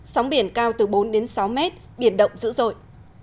sóng biển cao từ bốn đến sáu mét biển động dữ dội